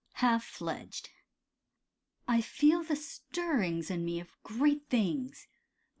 HALF FLEDGED I feel the stirrings in me of great things.